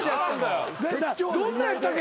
どんなんやったっけ？